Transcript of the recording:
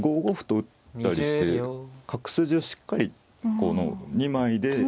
５五歩と打ったりして角筋をしっかりこの２枚で。